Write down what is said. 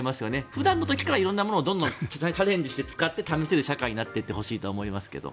普段の時から色んなものをチャレンジして使って試せる社会になっていってほしいと思いますけど。